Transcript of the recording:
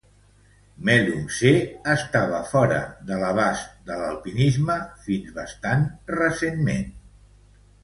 Melungtse estava fora de l'abast de l'alpinisme fins bastant recentment.